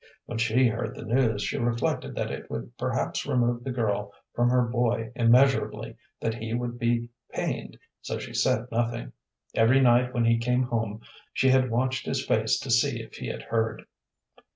When she heard the news she reflected that it would perhaps remove the girl from her boy immeasurably, that he would be pained, so she said nothing. Every night when he came home she had watched his face to see if he had heard.